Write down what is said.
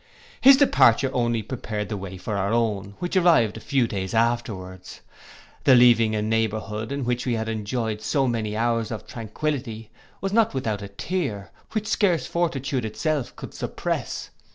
His departure only prepared the way for our own, which arrived a few days afterwards. The leaving a neighbourhood in which we had enjoyed so many hours of tranquility, was not without a tear, which scarce fortitude itself could suppress.